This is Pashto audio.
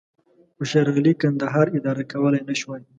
خو شېرعلي کندهار اداره کولای نه شوای.